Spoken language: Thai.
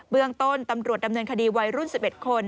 เรื่องต้นตำรวจดำเนินคดีวัยรุ่น๑๑คน